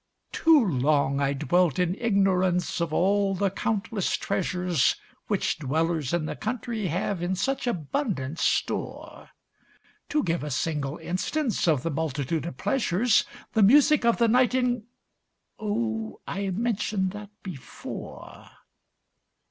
Too long I dwelt in ignorance of all the countless treasures Which dwellers in the country have in such abundant store; To give a single instance of the multitude of pleasures, The music of the nighting, oh, I mentioned that before.